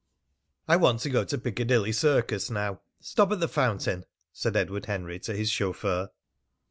"I want to go to Piccadilly Circus now. Stop at the fountain," said Edward Henry to his chauffeur.